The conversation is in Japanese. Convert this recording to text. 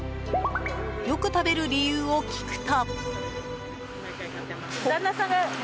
よく食べる理由を聞くと。